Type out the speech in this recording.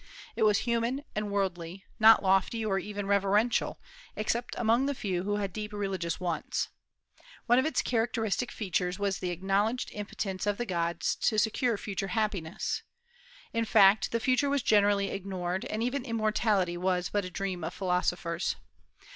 It was human and worldly, not lofty nor even reverential, except among the few who had deep religious wants. One of its characteristic features was the acknowledged impotence of the gods to secure future happiness. In fact, the future was generally ignored, and even immortality was but a dream of philosophers.